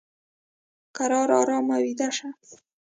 کرار ارام ویده شه !